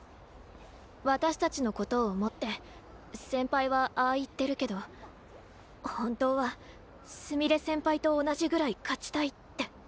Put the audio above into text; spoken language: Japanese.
私たちのことを思って先輩はああ言ってるけど本当はすみれ先輩と同じぐらい勝ちたいって。